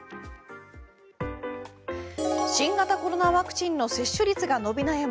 新型コロナワクチンの接種率が伸び悩む